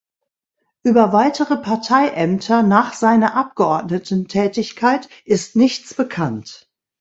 Über weitere Parteiämter nach seiner Abgeordnetentätigkeit ist nichts bekannt.